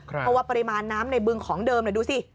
เพราะว่าปริมาณน้ำในบึงของเดิมดูสิ